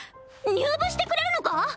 入部してくれるのか！？